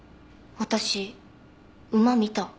私馬見た。